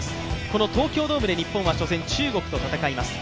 この東京ドームで日本は初戦、中国と戦います。